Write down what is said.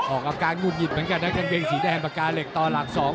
ออกอาการหงุดหงิดเหมือนกันนะกางเกงสีแดงปากกาเหล็กต่อหลักสอง